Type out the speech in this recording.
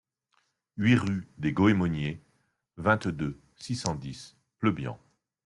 huit rue des Goemoniers, vingt-deux, six cent dix, Pleubian